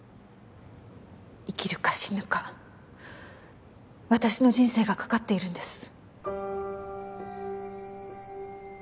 生きるか死ぬか私の人生がかかっているんです。